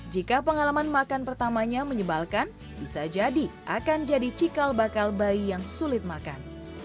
jika pengalaman makan pertamanya menyebalkan bisa jadi akan jadi cikal bakal bayi yang sulit makan